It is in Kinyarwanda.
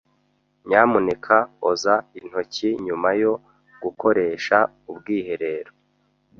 Nyamuneka oza intoki nyuma yo gukoresha ubwiherero.